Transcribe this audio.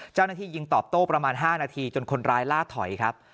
เจ้าหน้าที่ยิงตอบโต้ประมาณ๕นาทีจนคนร้ายล่าถอยครับ